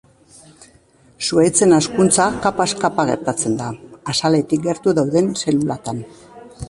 Zuhaitzen hazkuntza kapaz kapa gertatzen da, azaletik gertu dauden zelulatan.